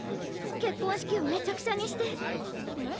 結婚式をめちゃくちゃにして！へ？